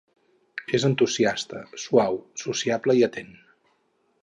És entusiasta, suau, sociable i atent.